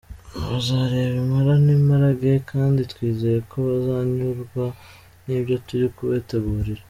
Bazareba impala n’imparage kandi twizeye ko bazanyurwa n’ibyo turi kubategurira.